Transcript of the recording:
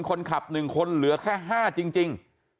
คนขับ๑คนเหลือแค่๕จริง